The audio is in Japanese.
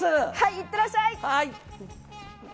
行ってらっしゃい！